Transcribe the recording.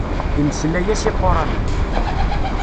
Imeslay-as iquṛanen.